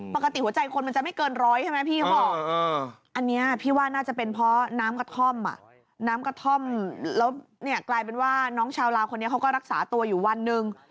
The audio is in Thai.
ปกติหัวใจคนมันจะไม่เกินร้อยใช่ไหมพี่เขาบอกอันนี้พี่ว่าน่าจะเป็นเพราะน้ำกระท่อมน้ำกระท่อมแล้วเนี่ยกลายเป็นว่าน้องชาวลาวคนนี้เขาก็รักษาตัวอยู่วันหนึ่ง